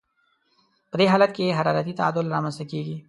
په دې حالت کې حرارتي تعادل رامنځته کیږي.